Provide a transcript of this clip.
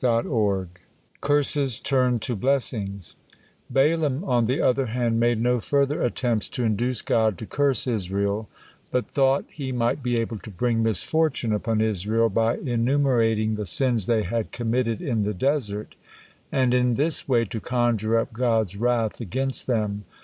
CURSES TURNED TO BLESSINGS Balaam, on the other hand, made no further attempts to induce God to curse Israel, but thought he might be able to bring misfortune upon Israel by enumerating the sins they had committed in the desert, and in this way to conjure up God's wrath against them.